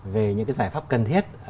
về những cái giải pháp cần thiết